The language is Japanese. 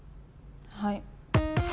はい。